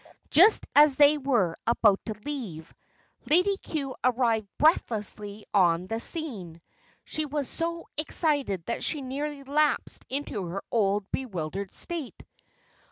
Just as they were about to leave, Lady Cue arrived breathlessly on the scene. She was so excited that she nearly lapsed into her old bewildered state.